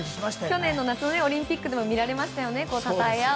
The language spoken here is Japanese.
去年の夏のオリンピックでも見られましたよね。